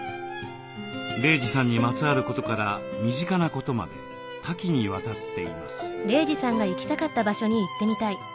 玲児さんにまつわることから身近なことまで多岐にわたっています。